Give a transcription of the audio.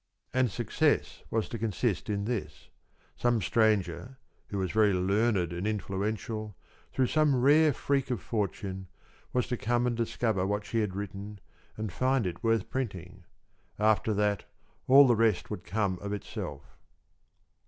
And success was to consist in this: Some stranger who was very learned and influential, through some rare freak of fortune, was to come and discover what she had written and find it worth printing. After that, all the rest would come of itself.